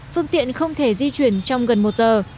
phương tiện không thể di chuyển trong gần một giờ